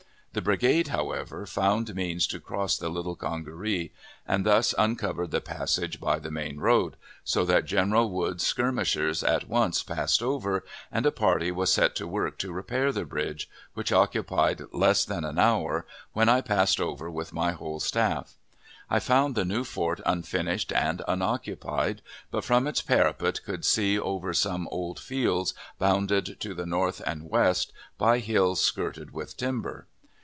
The brigade, however, found means to cross the Little Congaree, and thus uncovered the passage by the main road, so that General Woods's skirmishers at once passed over, and a party was set to work to repair the bridge, which occupied less than an hour, when I passed over with my whole staff. I found the new fort unfinished and unoccupied, but from its parapet could see over some old fields bounded to the north and west by hills skirted with timber.